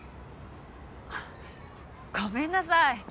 あっごめんなさい。